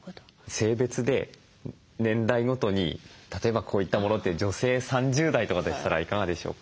性別で年代ごとに例えばこういったものって女性３０代とかでしたらいかがでしょうか？